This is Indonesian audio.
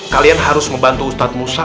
kalian harus membantu ustadz musa